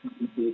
sudah ada di bnp